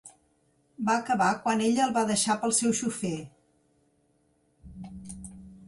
Va acabar quan ella el va deixar pel seu xofer.